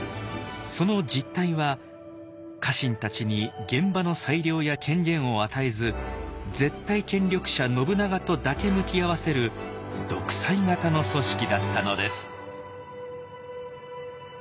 その実態は家臣たちに現場の裁量や権限を与えず絶対権力者信長とだけ向き合わせる独裁型の組織だったのです。